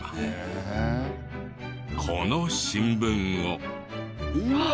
この新聞を。